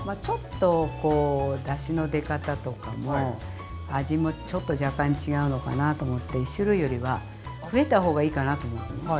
ちょっとこうだしの出方とかも味もちょっと若干違うのかなと思って１種類よりは増えた方がいいかなと思うのね。